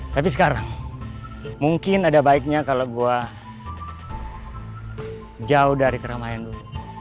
tapi sekarang mungkin ada baiknya kalau gue jauh dari keramaian dulu